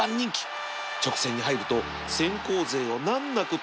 直線に入ると先行勢を難なく捉えて快勝